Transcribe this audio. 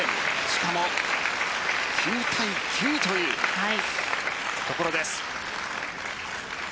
しかも、９対９というところです。